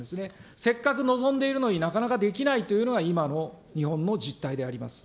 せっかく望んでいるのになかなかできないというのが、今の日本の実態であります。